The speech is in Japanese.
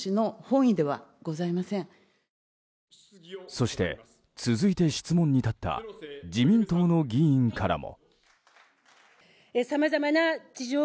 そして、続いて質問に立った自民党の議員からも。